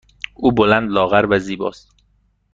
او بلند، لاغر و زیبا است.